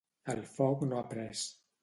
El foc no ha pres.